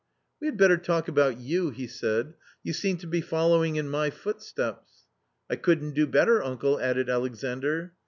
" We had better talk about you,", he said ;" you seem to be following in my footsteps." " I couldn't do better, uncle," added Alexandr.